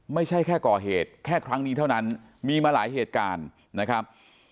ไม่ใช่แค่ก่อเหตุแค่ครั้งนี้เท่านั้นมีมาหลายเหตุการณ์นะครับ